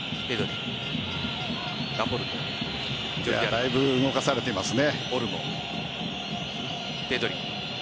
だいぶ動かされてますね。